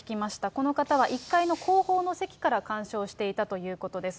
この方は１階の後方の席から鑑賞していたということです。